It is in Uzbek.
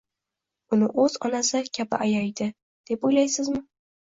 uni o‘z onasi kabi ayaydi, deb o‘ylaysizmi?